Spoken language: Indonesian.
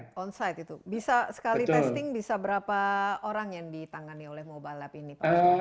bisa sekali testing bisa berapa orang yang ditangani oleh mobile lab ini pak wahyu